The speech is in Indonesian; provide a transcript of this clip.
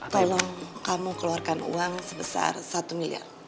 tolong kamu keluarkan uang sebesar satu miliar